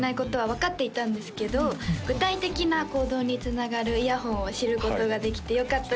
分かっていたんですけど具体的な行動につながるイヤホンを知ることができてよかったです